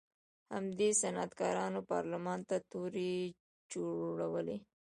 همدې صنعتکارانو پارلمان ته تورې جوړولې.